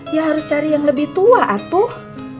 ya harus cari yang lebih tua atuh